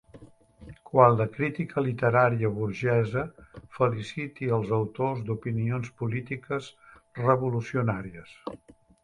Quan la crítica literària burgesa felicite els autors d'opinions polítiques revolucionàries